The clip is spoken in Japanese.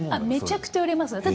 めちゃくちゃ売れます。